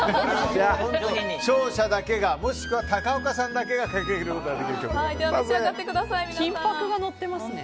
勝者だけがもしくは、高岡さんだけがかけることができる曲ですね。